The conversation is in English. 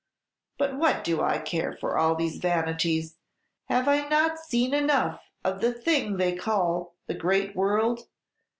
But what do I care for all these vanities? Have I not seen enough of the thing they call the great world?